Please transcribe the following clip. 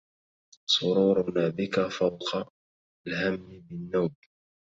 سرورنا بك فوق الهم بالنوب